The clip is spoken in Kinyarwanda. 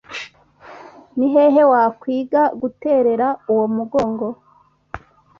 Ni hehe wakwiga guterera uwo mugongo